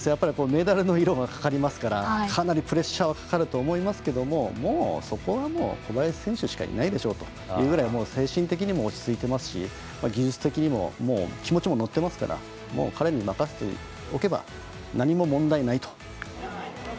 メダルの色がかかりますからかなりプレッシャーはかかると思いますけどもうそこは小林選手しかいないでしょうというぐらい精神的にも落ち着いていますし技術的にも気持ちも乗ってますから彼に任せておけば何も問題ないと。